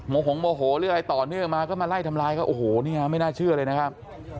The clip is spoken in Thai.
หงโมโหหรืออะไรต่อเนื่องมาก็มาไล่ทำร้ายเขาโอ้โหเนี่ยไม่น่าเชื่อเลยนะครับ